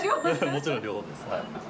もちろん両方です。